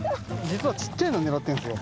実はちっちゃいの狙ってるんですよ。